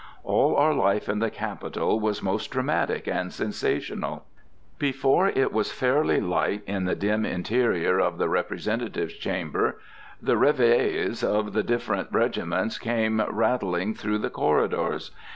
All our life in the Capitol was most dramatic and sensational. Before it was fairly light in the dim interior of the Representatives Chamber, the réveilles of the different regiments came rattling through the corridors.